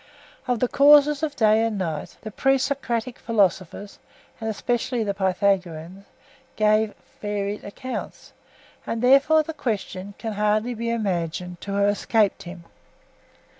Of the causes of day and night the pre Socratic philosophers, and especially the Pythagoreans, gave various accounts, and therefore the question can hardly be imagined to have escaped him.